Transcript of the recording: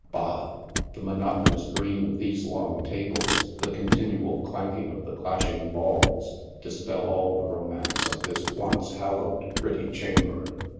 Bab! the monotonous green of these long tables, the continual clanking of the clashing balls, dispel all the romance of this once hallowed, pretty chamber.